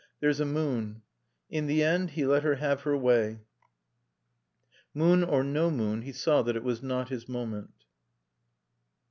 "There's a moon." In the end he let her have her way. Moon or no moon he saw that it was not his moment.